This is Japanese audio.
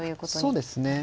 そうですね。